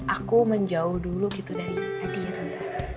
aku menjauh dulu gitu dari hadir mbak